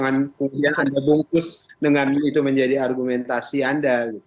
saya mau mengambil kesenjangan yang tersebut